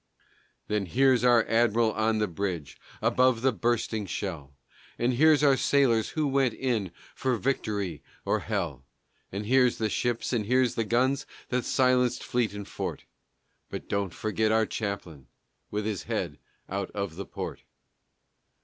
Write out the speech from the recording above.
Then here's our admiral on the bridge Above the bursting shell; And here's our sailors who went in For victory or hell, And here's the ships and here's the guns, That silenced fleet and fort; But don't forget our chaplain With his head out of the port.